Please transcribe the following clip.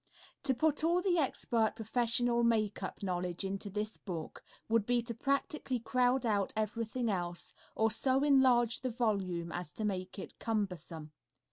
To put all the expert professional makeup knowledge into this book would be to practically crowd out everything else or so enlarge the volume as to make it cumbersome.